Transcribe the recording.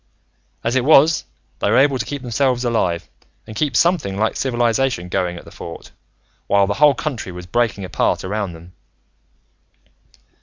"As it was, they were able to keep themselves alive, and keep something like civilization going at the Fort, while the whole country was breaking apart around them.